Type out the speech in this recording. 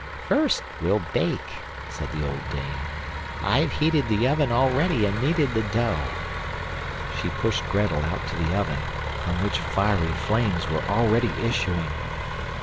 "First we'll bake," said the old dame; "I've heated the oven already and kneaded the dough." She pushed Grettel out to the oven, from which fiery flames were already issuing.